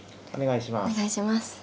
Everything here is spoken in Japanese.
お願いします。